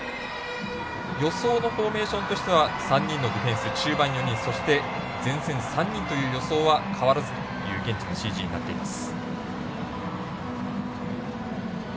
予想のフォーメーションとしては３人のディフェンス中盤４人前線３人という予想は変わらずという現地のＣＧになっています。